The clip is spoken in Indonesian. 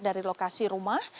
dari lokasi rumah